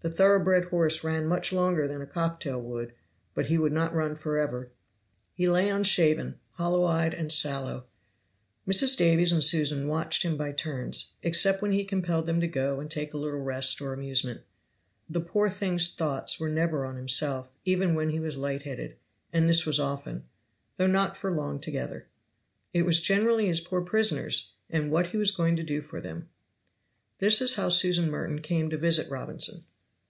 The thorough bred horse ran much longer than a cocktail would, but he could not run forever. He lay unshaven, hollow eyed and sallow. Mrs. Davies and Susan watched him by turns, except when he compelled them to go and take a little rest or amusement. The poor thing's thoughts were never on himself, even when he was light headed, and this was often, though not for long together. It was generally his poor prisoners, and what he was going to do for them. This is how Susan Merton came to visit Robinson.